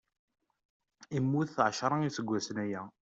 Immut ɛecra iseggasen aya.